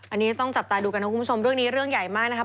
อันนี้ต้องจับตาดูกันนะคุณผู้ชมเรื่องนี้เรื่องใหญ่มากนะครับ